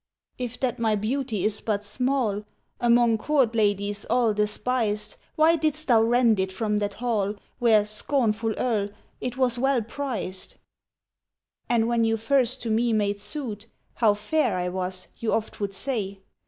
"If that my beauty is but small, Among court ladies all despised, Why didst thou rend it from that hall, Where, scornful Earl, it well was prized? "And when you first to me made suit, How fair I was, you oft would say!